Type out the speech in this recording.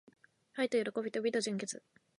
愛と喜びと美と純潔